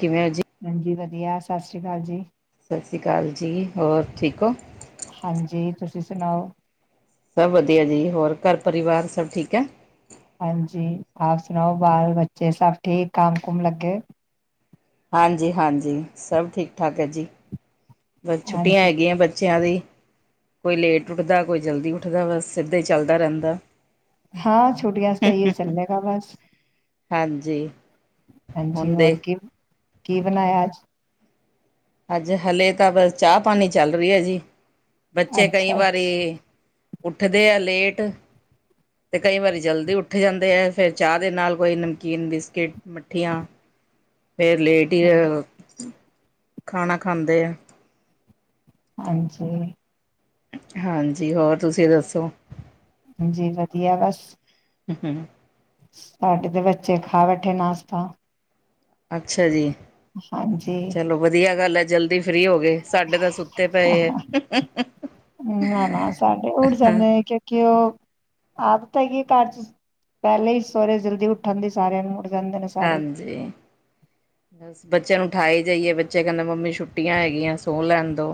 ਕਿਵੇਂ ਅ ਜੀ ਹਾਂਜੀ ਵਧੀਆ ਸਤਿ ਸ਼੍ਰੀ ਅਕਾਲ ਜੀ ਸਤਿ ਸ਼੍ਰੀ ਅਕਾਲ ਜੀ ਹੋਰ ਠੀਕ ਹੋ ਹਾਂਜੀ ਤੁਸੀਂ ਸੁਣਾਓ ਸਭ ਵਧੀਆ ਜੀ ਹੋਰ ਘਰ ਪਰਿਵਾਰ ਸਭ ਠੀਕ ਹੈ ਹਾਂਜੀ ਆਪ ਸੁਣਾਓ ਬਾਲ ਬੱਚੇ ਸਭ ਠੀਕ ਕੰਮ ਕੁਮ ਲੱਗੇ ਹਾਂਜੀ ਹਾਂਜੀ ਸਭ ਠੀਕ ਠਾਕ ਹੈ ਜੀ ਬਸ ਛੁੱਟੀਆਂ ਹਾਂਜੀ ਹੈਗੀਆਂ ਬੱਚਿਆਂ ਦੀ ਕੋਈ ਲੇਟ ਉੱਠਦਾ ਕੋਈ ਜਲਦੀ ਉੱਠਦਾ ਬਸ ਸਿੱਧੇ ਚੱਲਦਾ ਰਹਿੰਦਾ ਹਾਂ ਛੁੱਟੀਆਂ ਤਾਂ ਇ ਚੱਲੇਗਾ ਬਸ ਹਾਂਜੀ ਹਾਂਜੀ ਹੁਣ ਹੋਰ ਦੇਖ ਕਿ ਕੀ ਬਣਾਇਆ ਅੱਜ ਅੱਜ ਹਲੇ ਤਾਂ ਬ ਚਾਹ ਪਾਣੀ ਚੱਲ ਰਹੀ ਹੈ ਜੀ ਬੱਚੇ ਕਈ ਅੱਛਾ ਅੱਛਾ ਵਾਰੀ ਉੱਠਦੇ ਆ ਲੇਟ ਤੇ ਕਈ ਵਾਰੀ ਜਲਦੀ ਉੱਠ ਜਾਂਦੇ ਹੈ ਫਿਰ ਚਾਹ ਦੇ ਨਾਲ ਕੋਈ ਨਮਕੀਨ ਬਿਸਕਿਟ ਮੱਠੀਆਂ ਫੇਰ ਲੇਡੀ ਆ ਖਾਣਾ ਖਾਂਦੇ ਆ ਹਾਂਜੀ ਹਾਂਜੀ ਹੋਰ ਤੁਸੀਂ ਦੱਸੋ ਓ ਹਾਂਜੀ ਵਧੀਆ ਬਸ ਹੁ ਹੂ ਸਾਡੇ ਤੇ ਬੱਚੇ ਖਾ ਬੈਠੇ ਨਾਸ਼ਤਾ ਅੱਛਾ ਜੀ ਹਾਂਜੀ ਚੱਲੋ ਵਧੀਆ ਗੱਲ ਹੈ ਜਲਦੀ ਸੀ ਫਰੀ ਹੋ ਗਏ ਸਾਡੇ ਤਾਂ ਸੁੱਤੇ ਪਏ ਆ ਨਾ ਨਾ ਸਾਡੇ ਉੱਠ ਜਾਂਦੇ ਆਹਾ ਨੇ ਕਿਉਂਕਿ ਉਹ ਆਦਤ ਹੈਗੀ ਘਰ ਚ ਪਹਿਲੇ ਹੀ ਸੋਹੁਰ ਜਲਦੀ ਉਠਣੇ ਦੇ ਸਾਰਿਆਂ ਨੂੰ ਜਾਂਦੇ ਨੇ ਸਾਰੇ ਹਾਂਜੀ ਬ ਬੱਚਿਆਂ ਨੂੰ ਠਾਾਈ ਜਾਈਏ ਬੱਚੇ ਕਹਿੰਦੇ ਮੰਮੀ ਛੁੱਟੀਆਂ ਹੈਗੀਆਂ ਸੋ ਲੈਣ ਦੋ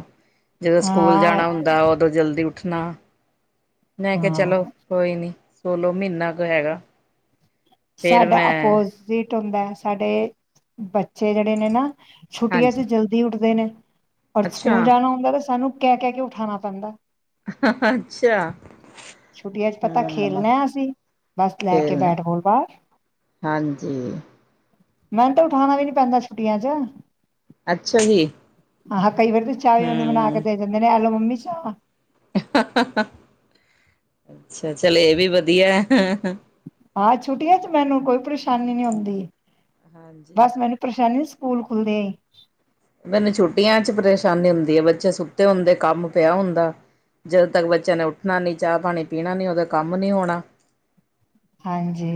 ਜਦੋਂ ਸਕੂਲ ਹਾਂ ਜਾਣਾ ਹੁੰਦਾ ਉਦੋਂ ਜਲਦੀ ਨਾ ਮੈਂ ਕਿਹਾ ਹਾਂ ਚਲੋ ਕੋਈ ਨਹੀਂ ਕੋਲੋ ਮਹੀਨਾ ਕਾ ਹੈਗਾ ਫੇਰ ਸਾਡਾ ਮੈਂ ਆਪੋਜ ਸੀ ਸੁੰਦਾ ਸਾਡੇ ਬੱਚੇ ਬੱਚੇ ਜਿਹੜੇ ਨੇ ਨਾ ਛੁੱਟੀਆਂ ਚ ਹਾਂਜੀ ਜਲਦੀ ਉੱਠਦੇ ਨੇ ਪਰ ਸਕੂਲ ਅੱਛਾ ਜਾਣਾ ਹੁੰਦਾ ਤੇ ਸਾਨੂੰ ਕਹਿ ਕਹਿ ਕੇ ਉਠਾਣਾ ਪੈਂਦਾ ਅੱਛਾ ਛੁੱਟੀਆਂ ਚ ਪਤਾ ਹਮ ਖੇਲਣਾ ਅਸੀਂ ਬਸ ਲੈ ਕੇ ਖੇਲਣਾ ਬੈਠ ਬੋਲਦਾ ਹਾਂਜੀ ਮੈਨੂੰ ਤਾਂ ਉਠਾਣਾ ਵੀ ਨੀ ਪੈਂਦਾ ਛੁੱਟੀਆਂ ਚ ਅੱਛਾ ਜੀ ਹਾ ਹਾਅ ਕਈ ਵਾਰੀ ਤਾਂ ਚਾਹ ਵੀ ਮੈਨੂੰ ਬਣਾ ਕੇ ਦੇ ਦਿੰਦੇ ਨੇ ਐਲੋ ਮੰਮੀ ਇੱਛਾ ਹ ਹਾ ਹ ਅੱਛਾ ਚੱਲ ਇਹ ਵੀ ਵਧੀਆ ਹਾਂ ਛੁੱਟੀਆਂ ਚ ਮੈਨੂੰ ਕੋਈ ਪਰੇਸ਼ਾਨੀ ਨਹੀਂਂ ਹੁੰਦੀ ਹਾਂਜੀ ਬਸ ਮੈਨੂੰ ਪਰੇਸ਼ਾਨੀ ਕੂਲ ਖੁੱਲਦੇ ਮੈਨੂੰ ਛੁੱਟੀਆਂ ਚ ਪਰੇਸ਼ਾਨੀ ਹੁੰਦੀ ਹ ਬੱਚੇ ਸੁੱਤੇ ਹੁੰਦੇ ਕੰਮ ਪਿਆ ਹੁੰਦਾ ਜਦੋਂ ਤੱਕ ਬੱਚਿਆਂ ਨੇ ਉੱਠਣਾ ਨਹੀਂ ਚਾਹ ਪਾਣੀ ਪੀਣਾ ਨਹੀਂ ਉਹਦਾ ਕੰਮ ਨਹੀਂ ਹੋਣਾ ਹਾਂਜੀ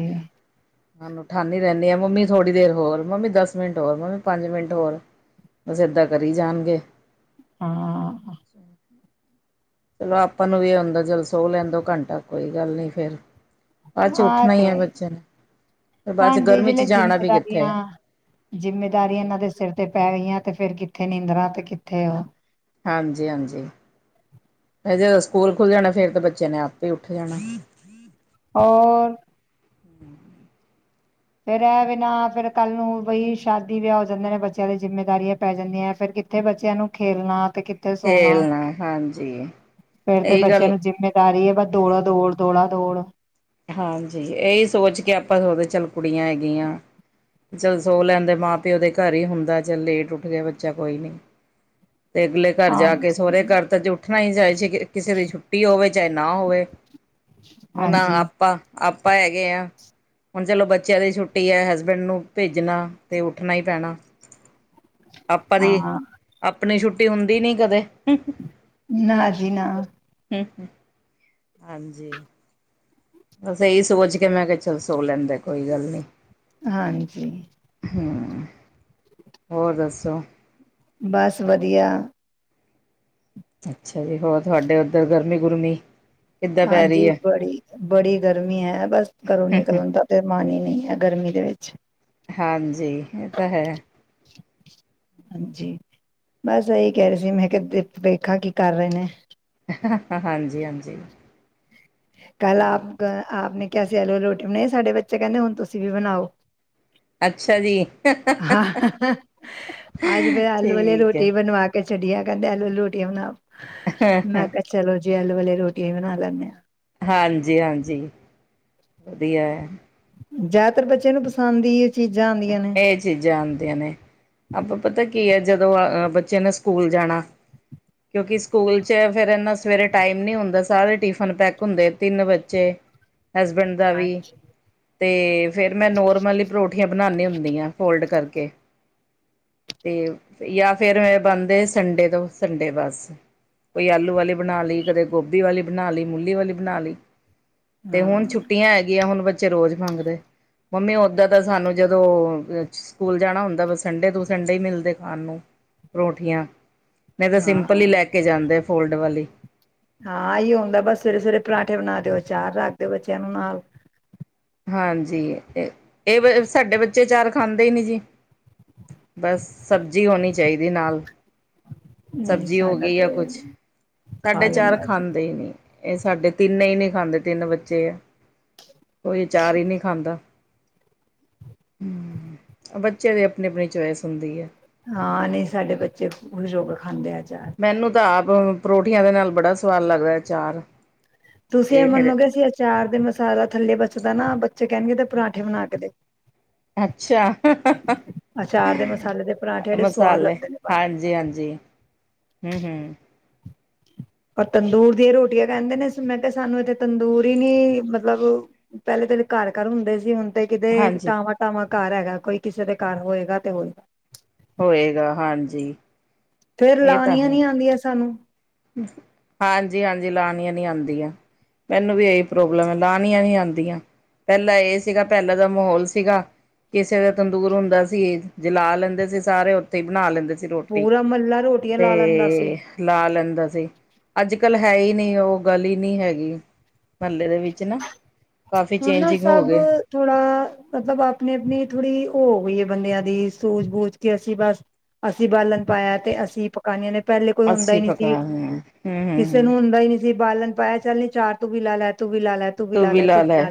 ਉਨ੍ਹਾਂ ੳਠਾਨੀ ਰਹਿੰਦੀ ਆ ਮਮੀ ਥੋੜੀ ਦੇਰ ਹੋਰ ਮੰਮੀ ਦਸ ਮਿੰਟ ਹੋਰ ਮਮੀ ਪੰਜ ਮਿੰਟ ਹੋਰ ਬਸ ਏਦਾਂ ਕਰੀ ਜਾਣਗੇ। ਹਾਂ ਚਲੋ ਆਪਾਂ ਨੂੰ ਵੀ ਏ ਹੂੰਦਾ ਚਲ ਸੋ ਲੈਣ ਦੋ ਘੰਟਾ ਕੋਈ ਗੱਲ ਨਹੀਂ ਫੇਰ ਬਾਅਦ 'ਚ ਆਾਂ ਉੱਠਣਾ ਤੇ ਹੈ ਹੀ ਬੱਚੇ ਨੇ ਫਿਰ ਬਾਅਦ 'ਚ ਹਾਂਜੀ ਗਰਮੀ 'ਚ ਜਿਹੜੇ ਜਾਣਾ ਵੀ ਕਿੱਥੇ ਜਿੰਮੇਵਾਰੀਆਂ ਜਿੰਮੇਦਾਰ ਹਾਂਜੀ ਇਹਨਾਂ ਦੇ ਸਿਰ ਤੇ ਪੈ ਗਈਆਂ। ਤੇ ਫੇਿਰ ਕਿੱਥੇ ਨੀਂਦਾਂ ਤੇ ਕਿੱਥੇ ਉਹ ਹਾਂਜੀ-ਹਾਂਜੀ ਫ ਜਦੋਂ ਸਕੂਲ ਖੁੱਲ ਜਾਣਾ ਫੇਿਰ ਤਾਂ ਬੱਚਿਆਂ ਨੇ ਆਪ ਹੀ ਉੱਠ ਜਾਣਾ ਹੋਰ? ਹੂੰ ਫੇਰ ਇਹ ਬਿਨਾਂ ਫੇਿਰ ਕੱਲ੍ਹ ਨੂੰ ਬਈ ਸ਼ਾਦੀ ਵੀਆ ਹੋ ਜਾਂਦੇ ਨੇ ਬੱਚਿਆਂ ਦੀ ਜਿੰਮੇਦਾਰੀਆਂ ਪੈ ਜਾਂਦੀਆਂ ਫਿਰ ਕਿੱਥੇ ਬੱਚਿਆਂ ਨੂੰ ਖੇਲਣਾ ਤੇ ਕਿੱਥੇ ਸੋਣਾ ਖੇਲਣਾ ਹਾਂਜੀ ਫੇਿਰ ਤੇ ਇਹੀ ਬੱਚਿਆਂ ਗੱਲ ਨੂੰ ਜਿੰਮੇਦਾਰੀ ਹੈ ਬ ਦੌੜਾ ਦੌੜ ਦੌੜਾ ਦੌੜ ਹਾਂਜੀ ਇਹੀ ਸੋਚ ਕੇ ਆਪਾਂਦੇ ਚੱਲ ਕੁੜੀਆਂ ਹੈਗੀਆਂ ਚੱਲ ਸੌ ਲੈਂਣ ਦੇ ਚਲ ਮਾਂ ਪਿਓਦੇ ਘਰ ਹੀ ਹੁੰਦਾ ਚੱਲ ਲੇਟ ਉੱਠ ਗਿਆ ਬੱਚਾ ਕੋਈ ਨਹੀ ਤੇ ਅਗਲੇ ਘਰ ਜਾ ਕੇ ਹਾਂਜੀ ਸਹੁਰੇ ਘਰ ਤਾਂ ਉੱਠਣਾ ਹੀ ਚਾਹੇ ਸੀ ਕਿਸੇ ਦੀ ਛੁੱਟੀ ਹੋਵੇ ਚਾਹੇ ਨਾ ਹੋਵੇ। ਹੁਣ ਹਾਂਜੀ। ਆਪਾਂ ਆਪਾਂ ਹੈਗੇ ਆ ਹੁਣ ਚਲੋ ਬੱਚਿਆਂ ਦੀ ਛੁੱਟੀ ਹੈ ਹਸਬੈਂਡ ਨੂੰ ਭੇਜਣਾ ਤੇ ਉੱਠਣਾ ਹੀ ਪੈਣਾ ਆਪਾਂ ਦੀ ਹਾਂ ਆਪਣੀ ਛੁੱਟੀ ਟੀ ਹੁੰਦੀ ਨੀ ਕਦੇ ਨਾ ਜੀ ਨਾ ਹਾਂਜੀ ਬਸ ਇਹੀ ਸੋਚ ਕੇ ਮੈਂ ਕਿਹਾ ਚੱਲ ਸੋ ਲੈਂਦੇ ਕੋਈ ਗੱਲ ਨਹੀਂ। ਹਾਂਜੀ ਹੂੰ, ਹੋਰ ਦੱਸੋ? ਬਸ ਵਧੀਆ। ਅੱਛਾ ਜੀ ਹੋਰ ਤੁਹਾਡੇ ਉੱਧਰ ਗਰਮੀ ਗੁਰਮੀ ਕਿੱਦਾਂ ਪੈ ਰਹੀ ਹਾਂਜੀ ਹੈ ਬੜੀ ਬੜੀ ਗਰਮੀ ਹੈ ਬਸ ਘਰੋਂ ਨਿਕਲਣਦਾ ਤੇ ਮਨ ਹੀ ਨੀ ਹੈ ਗਰਮੀ ਦੇ ਵਿੱਚ ਹਾਂਜੀ, ਇਹ ਤਾਂ ਹੈ। ਹਾਂਜੀ, ਬਸ ਇਹੀ ਕਹਿ ਰਹੇ ਸੀ ਮੈਂ ਕਿ ਵੇਖਾ ਕੀ ਕਰ ਰਹੇ ਨੇ ਹਾਂਜੀ-ਹਾਂਜੀ। ਕੱਲ ਆਪ ਆਪ ਨੇ ਆਲੂ ਆਲੋ ਰੋਟੀ ਬਣਾਈ ਸਾਡੇ ਬੱਚੇ ਕਹਿੰਦੇ ਹੁਣ ਤੁਸੀਂ ਵੀ ਬਣਾਓ। ਅੱਛਾ ਜੀ। ਹਾਂ ਅੱਜ ਫੇ ਆਲੂ ਵਾਲੀ ਠੀਕ ਰੋਟੀ ਬਣਵਾ ਕੇ ਛਡੀਆਂ ਕਹਿੰਦੇ ਲ ਲੋੋਟੀਆਂ ਬਣਾਉ। ਮੈਂ ਹੈ ਕਿਹਾ ਚਲੋ। ਜੀ ਆਲੂ ਵਾਲੀਆਂ ਰੋਟੀਆਂ ਵੀ ਬਣਾ ਲੈਂਦੇ ਹਾਂ। ਹਾਂਜੀ-ਹਾਂਜੀ ਵਧੀਆ ਹੈ। ਜ਼ਿਆਦਾਤਰ ਬੱਚੇ ਨੂੰ ਪਸੰਦ ਈ ਏ। ਏ ਚੀਜ਼ਾਂ ਆਂਦੀਆਂ ਨੇ, ਆਪਾ ਪਤਾ ਕੀ ਹੈ ਜਦੋ ਅ ਬਚਿਆ ਨੇ ਸਕੂਲ ਜਾਣਾ ਕਿਉਕਿ ਸਕੂਲ ਚ ਫਿਰ ਏਨਾ ਸਵੇਰੇ ਟਾਈਮ ਨੀ ਹੁੰਦਾ ਸਾਰੇ ਟਿਫਨ ਪੈਕ ਹੁੰਦੇ ਤਿੰਨ ਬਚੇ ਹਸਬੈਂਡ ਦਾ ਵੀ ਹਾਂਜੀ ਤੇ ਫੇਰ ਮੈਂ ਨੋਰਮਲੀ ਪਰੋਠ ਠੀਨਆਂ ਬਣਾਦੀ ਹੁੰਦੀਆਂ ਫੋਲਡ ਕਰਕੇ, ਤੇ ਯਾ ਫੇਰ ਬਣਦੇ ਸੰਡੇ, ਤੋਂ ਸੰਡੇ ਬਸ ਕੋਈ ਆਲੂ ਵਾਲੀ ਬਨਾ ਲਈ ਕਦੇ ਗੋਭੀ ਵਾਲੀ ਬਨਾ ਲਈ ਮੂਲੀ ਵਾਲੀ ਬਨਾ ਲਈ ਤੇ ਹੁਨ ਹਾਂ ਛੁੱਟੀਆਂ ਹੈਗੀਆਂ ਹੁਨ ਬਚੇ ਰੋਜ਼ ਮੰਗਦੇ। ਮੰਮੀ ਓਦਨ ਤਾਂ ਸਾਨੂੰ ਜਦੋ ਸਕੂਲ ਜਾਣਾ ਹੁੰਦਾ ਵ ਸੰਡੇ, ਤੋਂ ਸੰਡੇ ਹੀ ਮਿਲਦੇ ਖਾਣ ਨੂੰ ਪਰੌਠੀਆਂ ਨਹੀ ਤਾ ਸਿੰਪਲ ਹੀ ਹਾਂ ਲੈ ਕੇ ਜਾਂਦੇ ਫੋਲਡ ਵਾਲੀ ਹਾਂ ਆਯੋ ਬਸ ਸਵੇਰੇ-ਸਵੇਰੇ ਪਰਾਂਠੇ ਬਨਾ ਦਿਓ ਅਚਾਰ ਰੱਖ ਦਿਓ ਬੱਚਿਆਂ ਨੂੰ ਨਾਲ ਹਾਂਜੀ ਇਹ ਸਾਡੇ ਬਚੇ ਚਾਰ ਖਾਂਦੇ ਹੀ ਨਹੀ। ਬਸ ਸਬਜ਼ੀ ਹੋਣੀ ਚਾਹੀਦੀ ਨਾਲ ਨਹੀਂ ਸਬਜ਼ੀ ਹੋ ਸਾਡਾ ਗਈ ਆ ਤੇ ਕੁਛ, ਖਾ ਸਾਡੇ ਚਾਰ ਲੈਂਦਾ ਅਚਾਰ ਖਾਂਦੇ ਹੀ ਨੀ ਇਹ ਸਾਡੇ ਤਿੰਨ ਹੀ ਨੇ ਖਾਂਦੇ ਤਿੰਨ ਬੱਚੇ ਆ ਕੋਈ ਅਚਾਰ ਹੀ ਨਹੀਂ ਖਾਂਦਾ। ਬੱਚਿਆਂ ਦੀ ਆਪਨੀ-ਆਪਨੀ ਚੁਆਇਸ ਹੁੰਦੀ ਹੈ। ਹਾਂ ਨਹੀਂ ਸਾਡੇ ਬੱਚੇ ਖੁਸ਼ ਹੋਕੇ ਖਾਂਦੇ ਆ। ਅਚਾਰ ਮੈਨੂੰ ਤਾ ਆਪ ਅ ਪਰੋਠੀਆਂ ਦੇ ਨਾਲ ਬੜਾ ਸਵਾਦ ਲੱਗਦਾ ਹੈ ਆਚਾਰ ਤੁਸੀ ਏਹ ਮੰਨੋਗੇ ਅਸੀ ਅਚਾਰ ਦੇ ਮਸਾਲਾ ਥੱਲੇ ਬਚਦਾ ਨਾ ਬੱਚੇ ਕਹਿਣਗੇ ਏਦੇ ਪਰਾਂਠੇ ਬਣਾ ਕੇ ਦੇ ਅੱਛਾ, ਅਚਾਰ ਦੇ ਮਸਾਲੇ ਦੇ ਪਰਾਂਠੇ ਜਿਹੜੇ ਸਵਾਦ ਮਸਾਲੇ ਲੱਗਦੇ ਨੇ ਪਾਲਣ ਹਾਂਜੀ-ਹਾਂਜੀ। ਹੂੰ-ਹੂੰ। ਪਰ ਤੰਦੂਰ ਦੀਆਂ ਰੋਟੀਆਂ ਕਹਿੰਦੇ ਨੇ ਮੈਂ ਕਿਹਾ ਸਾਨੂੰ ਇੱਥੇ ਤੰਦੂਰ ਹੀ ਨੀ ਮਤਲਬ, ਪਹਿਲੇ ਤੇ ਘਰ-ਘਰ ਹੁੰਦੇ ਸੀ ਹੁਨ। ਕਿਤ-ਕਿਤੇ ਹਾਂਜੀ ਟਾਵਾਂ-ਟਾਵਾਂ। ਘਰ ਹੈਗਾ ਕੋਈ ਕਿਸੇ ਦੇ ਘਰ ਹੋਏਗਾ ਤੇ ਹੋਏ ਹੋਏਗਾ ਹਾਂਜੀ ਫੇਰ ਲਨੀਆ ਨੀ ਆਦੀਆਂ ਸਾਨੂੰ ਹਾਂਜੀ-ਹਾਂਜੀ ਲਾਨੀਆਂ ਨੀ ਆਦੀਆਂ, ਮੈਨੂੰ ਵੀ ਏਹੀ ਪ੍ਰੋਬਲਮ ਹੈ ਲਾਨੀਆਂ ਨੀ ਆਦੀਆਂ, ਪਹਿਲਾ ਏਹ ਸੀਗਾ ਪਹਿਲਾਂ ਦਾ ਮਾਹੌਲ ਸੀਗਾ ਕਿਸੇ ਦਾ ਤੰਦੂਰ ਹੁੰਦਾ ਸੀ ਜੇ ਲਾ ਲੈਂਦੇ ਸੀ ਸਾਰੇ ਉੱਥੇ ਹੀ ਬਣਾ ਲੈਂਦੇ ਸੀ। ਰੋਟੀ ਪੂਰਾ ਮਹਲਾ ਰੋਟੀਆਂ ਲਾ ਲੈਂਦਾ ਸੀ। ਹੁੰਦਾ ਸੀ। ਅੱਜ-ਕੱਲ ਹੈ ਹੀ ਨਹੀਂ ਉਹ ਗੱਲ ਹੀ ਨਹੀਂ ਹੈਗੀ ਮਹੱਲੇ ਦੇ ਵਿੱਚ ਨਾ ਕਾਫੀ ਹੁਣ ਨਾ ਚੇਂਜਿੰਗ ਹੋ ਸਭ ਗਏ। ਥੋੜਾ ਮਤਲਬ ਆਪਣੀ-ਆਪਣੀ ਥੋੜੀ ਉਹ ਹੋਇਏ ਬੰਦਿਆਂ ਦੀ ਸੂਝ-ਬੂਝ ਕੇ ਅਸੀ ਬਸ ਅਸੀ ਬਾਲਨ ਪਾਇਆ ਤੇ ਅਸੀਂ ਪਕਾਨਆਂ ਨੇ ਪਹਿਲੇ ਕੋਈ ਹੁੰਦਾ ਅੱਸੀ ਹੀ ਨਹੀਂ ਸੀ ਪਕਾ ਹੂੰ ਕਿਸੇ ਹੂੰ ਨੂੰ ਹੁੰਦਾ ਹੀ ਨੀ ਬਾਲਣ ਪਾਇਆ ਚੱਲ ਨੀ ਚਾਰ ਤੂੰ ਵੀ ਲਾ ਲੈ ਤੂੰ ਤੂੰ ਵੀ ਲ ਲੈ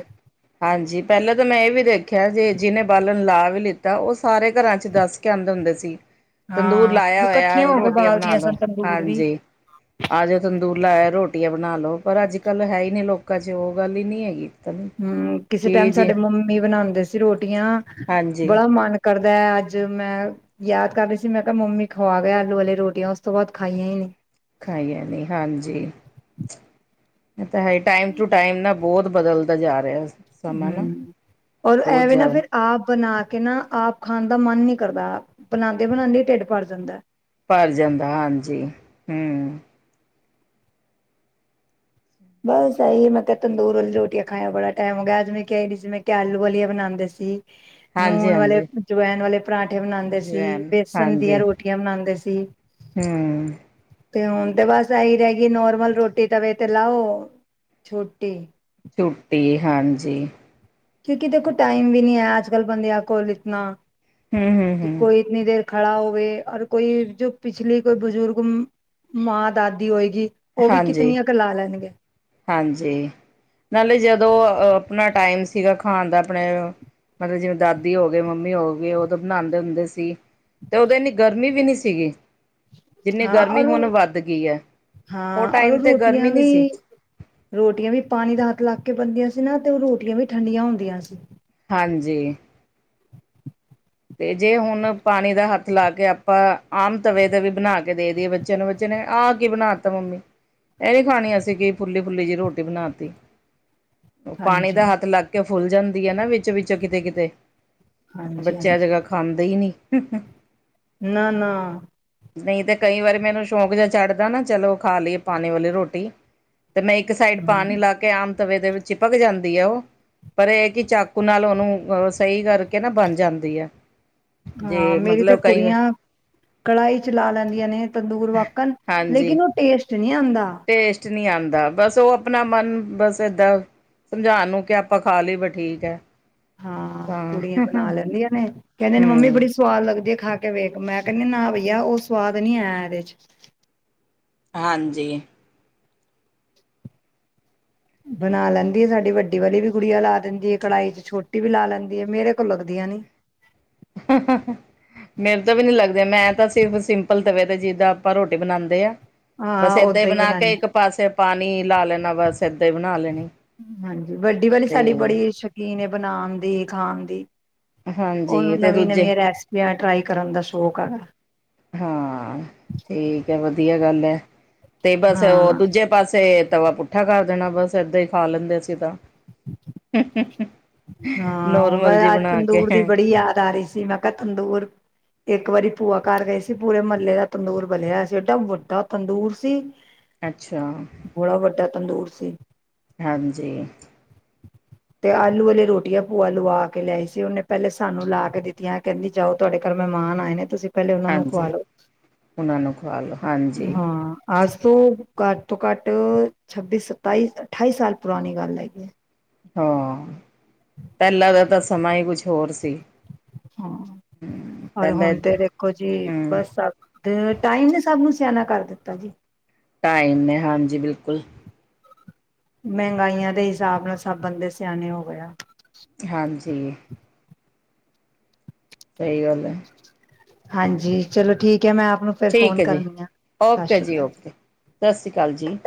ਹਾਂਜੀ ਪਹਿਲਾਂ ਤਾਂ ਮੈਂ ਇਹ ਵੀ ਦੇਖਿਆ ਜੇ ਜਿਹਨੇ ਬਾਲਣ ਲਾ ਵੀ ਲਿੱਤਾ ਉਸ ਸਾਰੇ ਘਰਾਂ ਚ ਦੱਸ ਕੇ ਆਉਂਦੇ ਹੁੰਦੇ ਸੀ ਤੰਦੂਰ ਹਾਂ ਲਾਇਆ ਇਕੱਠੀਆਂ ਹੋਇਆ ਹੋ ਕੇ ਰੋਟੀਆਂ ਬਣਾ ਬਾਲਦੀਆਂ ਸਨ ਲਓ, ਤੰਦੂਰ ਵੀ ਹਾਂਜੀ ਆ ਜਾਓ ਤੰਦੂਰ ਲਾਇਆ ਰੋ ਰਟੀਆ ਬਣਾ ਲ ਲੋ ਪਰ ਅੱਜ ਕੱਲ੍ਹ ਹੈ ਹੀ ਨੇ ਲੋਕਾਂ ਚ ਉਹ। ਗੱਲ ਹੀ ਨਹੀਂ ਹੈਗੀ। ਪਤਾ ਨੀ। ਹਮ ਕਿਸੇ ਕੀ ਟਾਈਮ ਜੀ ਸਾਡੇ ਮੰਮੀ ਬਣਾਉਂਦੇ ਸੀ ਰੋਟੀਆਂ ਹਾਂਜੀ ਬੜਾ ਮਨ ਕਰ ਮੈਂ ਅੱਜ ਮੈਂ ਯਾਦ ਕਰ ਰਹੀ ਸੀ ਮੈਂ ਕਿਹਾ ਮੰਮੀ ਖਵਾ ਗਿਆ ਆਲੂ ਵਾਲੀਆਂ ਰੋਟੀਆਂ ਉਸ ਤੋਂ ਬਾਅਦ ਖਾਈਆਂ ਹੀ ਨੀ। ਖਾਈਆਂ ਨੇ ਹਾਂਜੀ। ਟਾਈਮ ਟੂ ਟਾਈਮ ਨਾ ਬਹੁਤ ਬਦਲਦਾ ਜਾ ਰਿਹਾ। ਸਮਾਂ ਨਾ ਹਮ ਔਰ ਬਹੁਤ ਐਵੇਂ ਨਾ ਜ਼ਿਆਦਾ ਫਿਰ ਆਪ ਬਣਾ ਕੇ ਨਾ ਆਪ ਖਾਣ ਦਾ ਮਨ ਨੀ ਕਰਦਾ ਬਣਾਉਂਦੇ, ਬਣਾਉਂਦੇ ਢਿੱਡ ਭਰ ਜਾਂਦਾ। ਭਰ ਜਾਂਦਾ ਹਾਂਜੀ ਹਮ। ਬਸ ਆਹੀ ਮੈਂ ਕਿਹਾ ਤੰਦੂਰ ਰੋਟੀਆਂ ਖਾਣ ਬੜਾ ਟਾਈਮ ਹੋ ਗਿਆ ਅੱਜ ਮੈਂ ਕਿਹਾ ਸੀ ਮੈਂ ਕਿਹਾ ਆਲੂ ਵਾਲੀਆ ਬਣਾਉਂਦੇ ਸੀ। ਹਾਂਜੀ ਨੂਣ ਵਾਲੇ ਹਾਂਜੀ ਜਵਾਇਨ ਵਾਲੇ ਪਰਾਂਠੇ ਬਣਾਉਂਦੇ ਸੀ, ਜਵੈਨ ਬੇਸਣ ਹਾਂਜੀ ਦੀਆਂ ਰੋਟੀਆਂ ਬਣਾਉਂਦੇ ਸੀ। ਹੂੰ ਤੇ ਹੁਣ ਤੇ ਬਸ ਇਹੀ ਰਹਿ ਗਈ ਨੋਰਮਲ ਰੋਟੀ ਤਵੇ ਤੇ ਲਾਓ ਛੋਟੀ ਛੁੱਟੀ ਹਾਂਜੀ। ਕਿਉਂਕਿ ਦੇਖੋ ਟਾਈਮ ਵੀ ਨੀ ਹੈ ਅੱਜ ਕੱਲ ਬੰਦਿਆਂ ਕੋਲ ਇਤਨਾ। ਹਮ-ਹਮ, ਕਿ ਹਮ ਕੋਈ ਇਤਨੀ ਦੇਰ ਖੜਾ ਹੋਵੇ ਔਰ ਕੋਈ ਜੋ ਪਿਛਲੀ ਕੋਈ ਬਜ਼ੁਰਗ ਮਾਂ ਦਾਦੀ ਹੋਏਗੀ ਉਹ ਵੀ ਹਾਂਜੀ ਕਿਤਨੀਆਂ ਕ ਲਾ ਲੈਣਗੇ। ਹਾਂਜੀ ਨਾਲੇ ਜਦੋਂ ਆਪਣਾ ਟਾਈਮ ਸੀਗਾ ਖਾਣ ਦਾ ਆਪਣੇ ਮਤਲਬ ਜਿਵੇਂ ਦਾਦੀ ਹੋ ਗਈ ਮੰਮੀ ਹੋ ਗਈ ਉਦੋਂ ਬਣਾਉਂਦੇ ਹੁੰਦੇ ਸੀ ਤੇ ਉਦੋਂ ਇੰਨੀ ਗਰਮੀ ਵੀ ਨੀ ਸੀਗੀ। ਜਿੰਨੀ ਹਾਂ ਗਰਮੀ ਔਰ ਹੁਣ ਵੱਧ ਗਈ ਹੈ ਉਹ ਹਾਂ ਔਰ ਟਾਈਮ ਤੇ ਰੋਟੀਆਂ ਗਰਮੀ ਨੀ ਵੀ ਸੀ। ਰੋਟੀਆਂ ਵੀ ਪਾਣੀ ਦਾ ਹੱਥ ਲੱਗ ਕੇ ਬਣਦੀਆਂ ਸੀ ਨਾ ਤੇ ਰੋਟੀਆਂ ਵੀ ਠੰਡੀਆਂ ਹੁੰਦੀਆਂ ਸੀ। ਹਾਂਜੀ ਤੇ ਜੇ ਹੁਣ ਪਾਣੀ ਦਾ ਹੱਥ ਲਾ ਕੇ ਆਪਾਂ ਆਮ ਤਵੇ ਤੇ ਵੀ ਬਣਾ ਕੇ ਦੇ ਦੀਈਏ ਬੱਚਿਆਂ ਨੂੰ ਬੱਚੇ ਨੇ ਆਹ ਕੀ ਬਣਾ ਤਾ ਮੰਮੀ ਇਹ ਨੀ ਖਾਣੀ ਅਸੀਂ ਕਿ ਫੁੱਲੀ-ਫੁੱਲੀ ਜਿਹੀ ਰੋਟੀ ਬਣਾ ਤੀ। ਉਹ ਪਾਣੀ ਹਾਂਜੀ ਦਾ ਹੱਥ ਲੱਗ ਕੇ ਫੁੱਲ ਜਾਂਦੀ ਹੈ ਨਾ ਵਿੱਚ-ਵਿੱਚ ਕਿਤੇ-ਕਿਤੇ। ਹਾਜੀ ਚੇ ਅੱਜ ਕੱਲ ਖਾਂਦੇ ਹੀ ਨੀ। ਹ, ਹੂੰ ਨਾ-ਨਾ। ਨਹੀਂ ਤੇ ਕਈ ਵਾਰੀ ਮੈਨੂੰ ਸ਼ੌਂਕ ਜਿਹਾ ਚੱਡਦਾ ਨਾ ਚਲੋ ਖਾ ਲਈਏ ਪਾਣੀ ਵਾਲੀ ਰੋਟੀ। ਤੇ ਮੈਂ ਇੱਕ ਸਾਈਡ ਪਾਣੀ ਹਮ ਲਾ ਕੇ ਆਮ ਤਵੇ ਦੇ ਚਿਪਕ ਜਾਂਦੀ ਹੈ ਉਹ ਪਰ ਇਹ ਕਿ ਚਾਕੂ ਨਾਲ ਉਹਨੂੰ ਸਹੀ ਕਰਕੇ ਨਾ ਬਣ ਜਾਂਦਾ ਗਿਆ ਹਾਂ ਮੇਰੀ ਤਾਂ ਕੁੜੀਆਂ ਕੜਾਹੀ ਚ ਲਾ ਲੈਂਦੀਆਂ ਨੇ ਤੰਦੂਰ ਵਾਕਣ ਹਾਂਜੀ ਲੇਕਿਨ ਉਹ ਟੇਸਟ ਨਹੀਂ ਆਉਂਦਾ ਟੇਸਟ ਨਹੀਂ ਆਉਂਦਾ ਬਸ ਉਹ ਆਪਣਾ ਮਨ ਬਸ ਏਦਾਂ ਸਮਝਾਉਣ ਨੂੰ ਕਿ ਆਪਾਂ ਖਾ ਲਈ ਬ ਠੀਕ ਹੈ ਹਾਂ ਤਾਂ ਕੁੜੀਆਂ ਬਣਾ ਲੈਂਦੀਆਂ ਨੇ ਕਹਿੰਦੇ ਨੇ ਮੰਮੀ ਹਮ ਬੜੀ ਸਵਾਲ ਲਗਦੇ ਖਾ ਕੇ ਵੇਖ ਮੈਂ ਕਹਿੰਦੀ ਨਾ ਬਈਆ ਉਹ ਸਵਾਦ ਨੀ ਆਇਆ ਇਹਦੇ ਚ ਹਾਂਜੀ ਬਣਾ ਲੈਂਦੀ ਆ ਸਾਡੀ ਵੱਡੀ ਵਾਲੀ ਵੀ ਗੁੜੀਆਂ ਲਾ ਦਿੰਦੀ ਹੈ ਕੜਾਈ ਚ ਛੋਟੀ ਵੀ ਲਾ ਲੈਂਦੀ ਹੈ ਮੇਰੇ ਕੋਲ ਲੱਗਦੀਆਂ ਨੀ ਮੇਰੇ ਤਾਂ ਵੀ ਨੀ ਲੱਗਦੇ ਮੈਂ ਤਾਂ ਸਿਰਫ਼ ਸਿੰਪਲ ਤਵੇ ਤੇ ਜਿੱਦਾਂ ਆਪਾਂ ਰੋਟੀ ਬਣਾਉਂਦੇ ਆ ਬਸ ਹਾਂ ਇਦਾਂ ਹੀ ਓਦਾਂ ਬਣਾ ਕੇ ਬਣਾਉਣੀ ਇੱਕ ਪਾਸੇ ਪਾਣੀ ਲਾ ਲੈਣਾ ਬਸ ਏਦਾਂ ਹੀ ਬਣਾ ਲੈਣੀ ਹਾਂਜੀ ਵੱਡੀ ਵਾਲੀ ਤੇ ਸਾਡੀ ਬੜੀ ਸ਼ੌਕੀਨ ਬਣਾਉਣ ਦੀ ਖਾਣ ਦੀ ਉਹਨੂੰ ਹਾਂਜੀ ਤੇ ਨਵੀਂ ਦੂਜੇ ਨਵੀਆਂ ਰੈਸਪੀਆਂ ਟਰਾਈ ਕਰਨ ਦਾ ਸ਼ੌਕ ਹੈਗਾ ਹਾਂ ਠੀਕ ਹੈ ਵਧੀ ਵਧੀਆ ਗੱਲ ਹੈ ਤੇ ਪਾਸ ਉਹ ਹਾਂ ਦੂਜੇ ਪਾਸੇ ਤਵਾ ਪੁੱਠਾ ਕਰ ਦੇਣਾ ਬਸ ਏਦਾਂ ਹੀ ਖਾ ਲੈਂਦੇ ਅਸੀਂ ਤਾਂ ਹਾਂ ਉਹ ਮੈਂ ਨੋਰਮਲ ਜੀ ਅੱਜ ਬਣਾ ਤੰਦੂਰ ਦੀ ਕੇ ਬੜੀ ਯਾਦ ਆ ਰਹੀ ਸੀ ਮੈਂ ਕਿਹਾ ਤੰਦੂਰ ਇੱਕ ਵਾਰੀ ਭੂਆ ਕਰ ਗਏ ਸੀ ਪੂਰੇ ਮਹੱਲੇ ਦਾ ਤੰਦੂਰ ਬਲਿਆਇਆ ਸੀ ਏਡਾ ਵੱਡਾ ਤੰਦੂਰ ਸੀ ਅੱਛਾ ਬੜਾ ਵੱਡਾ ਤੰਦੂਰ ਸੀ ਹਾਂਜੀ ਤੇ ਆਲੂ ਵਾਲੀ ਰੋਟੀਆਂ ਭੂਆ ਲਵਾ ਕੇ ਲਿਆਈ ਸੀ ਉਹਨੇ ਪਹਿਲੇ ਸਾਨੂੰ ਲਾ ਕੇ ਦਿੱਤੀਆਂ ਕਹਿੰਦੀ ਜਾਓ ਤੁਹਾਡੇ ਘਰ ਮਹਿਮਾਨ ਆਏ ਨੇ ਤੁਸੀਂ ਪਹਿਲੇ ਉਹਨਾਂ ਨੂੰ ਖਵਾ ਹਾਂਜੀ ਲਓ ਉਹਨਾਂ ਨੂੰ ਖਵਾ ਲੋ ਹਾਂਜੀ, ਹਾਂ ਅੱਜ ਤੋਂ ਘੱਟ ਤੋਂ ਘੱਟ ਛੱਬੀ ਸਤਾਈ ਅਠਾਈ ਸਾਲ ਪੁਰਾਣੀ ਗੱਲ ਹੈਗੀ [inaudible] ਹਾਂ ਪਹਿਲਾਂ ਦਾ ਤਾਂ ਸਮਾਂ ਹੀ ਕੁਝ ਹੋਰ ਸੀ [unintelligible] ਹਾਂ ਰ ਪਹਿਲਾਂ ਹੁਣ ਤੇ ਏਦਾਂ ਦੇਖੋ ਜੀ ਹੂੰ, ਬਸ ਸਭ ਟਾਈਮ ਨੇ ਸਭ ਨੂੰ ਸਿਆਣਾ ਕਰ ਦਿੱਤਾ ਜੀ ਟਾਈਮ ਨੇ ਹਾਂਜੀ ਬਿਲਕੁਲ ਮਹਿੰਗਾਈਆਂ ਦੇ ਹਿਸਾਬ ਨਾਲ ਸਭ ਬੰਦੇ ਸਿਆਣੇ ਹੋ ਗਏ ਜੀ ਸਹੀ ਗੱਲ ਹੈ ਹਾਂਜੀ, ਚਲੋ ਠੀਕ। ਹੈ ਮੈਂ ਆਪ ਨੂੰ ਫਿਰ ਠੀਕ ਫੋਨ ਹੈ ਜੀ ਕਰਨੀ ਆ ਸਤਿ ਓਕੇ ਸ਼੍ਰੀ ਜੀ ਅਕਾਲ ਓਕੇ ਸਤਿ ਸ਼੍ਰੀ ਅਕਾਲ ਜੀ,